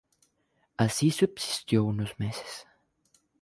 Así subsistió unos meses.